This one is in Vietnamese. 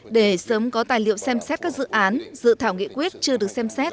để sớm có tài liệu xem xét các dự án dự thảo nghị quyết chưa được xem xét